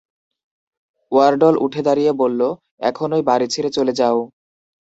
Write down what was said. ওয়ার্ডল উঠে দাঁড়িয়ে বলল, এখনই বাড়ি ছেড়ে চলে যাও।